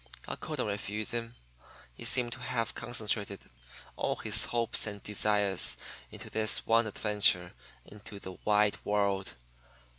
I couldn't refuse him he seemed to have concentrated all his hopes and desires into this one adventure into the wide world.